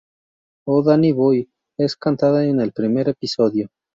Oh Danny Boy es cantada en el primer episodio.